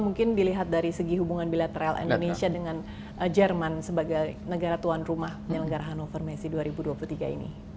mungkin dilihat dari segi hubungan bilateral indonesia dengan jerman sebagai negara tuan rumah penyelenggara hannover messi dua ribu dua puluh tiga ini